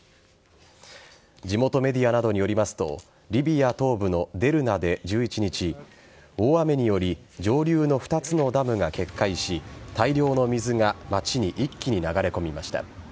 地元メディアなどによりますとリビア東部のデルナで１１日大雨により上流の２つのダムが決壊し大量の水が街に一気に流れ込みました。